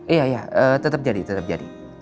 iya iya tetep jadi tetep jadi